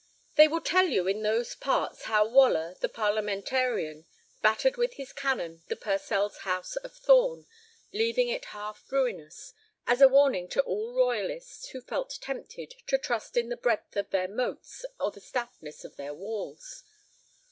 XXIII They will tell you in those parts how Waller, the parliamentarian, battered with his cannon the Purcells' house of Thorn, leaving it half ruinous, as a warning to all royalists who felt tempted to trust in the breadth of their moats or the stoutness of their walls.